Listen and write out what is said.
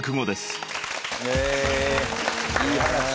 いい話。